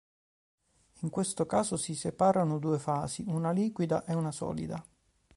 In questo caso si separano due fasi: una liquida ed una solida.